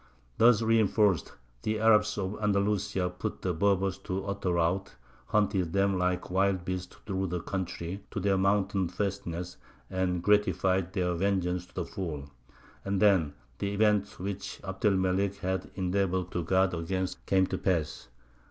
Thus reinforced, the Arabs of Andalusia put the Berbers to utter rout, hunted them like wild beasts through the country to their mountain fastnesses, and gratified their vengeance to the full. And then the event which Abd el Melik had endeavoured to guard against came to pass.